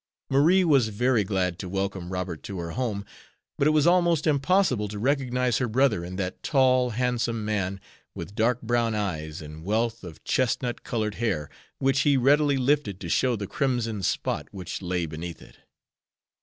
Marie was very glad to welcome Robert to her home, but it was almost impossible to recognize her brother in that tall, handsome man, with dark brown eyes and wealth of chestnut colored hair, which he readily lifted to show the crimson spot which lay beneath it.